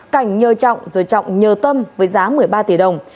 cảnh nhờ trọng rồi trọng nhờ tâm với giá một mươi ba tỷ đồng